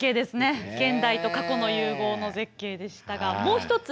現代と過去の融合の絶景でしたがもう一つ